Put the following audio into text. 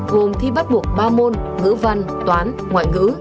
gồm thi bắt buộc ba môn ngữ văn toán ngoại ngữ